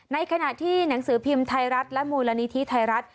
ในขณะที่หนังสือพิมพ์ไทยรัฐและมูลนิธิไทยรัฐ